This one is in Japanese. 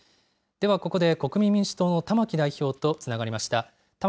では、ここで国民民主党の玉木代表とつながりました。